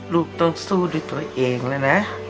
ลูกต้องสู้ด้วยตัวเองแล้วนะ